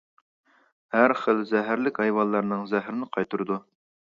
ھەر خىل زەھەرلىك ھايۋانلارنىڭ زەھىرىنى قايتۇرىدۇ.